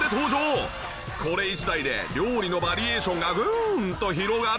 これ一台で料理のバリエーションがグーンと広がる！